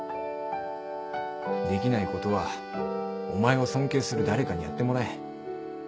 できないことはお前を尊敬する誰かにやってもらえ。